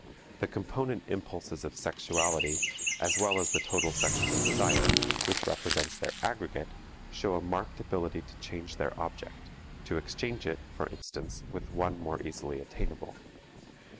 The component impulses of sexuality as well as the total sexual desire, which represents their aggregate, show a marked ability to change their object, to exchange it, for instance, for one more easily attainable.